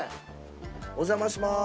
お邪魔します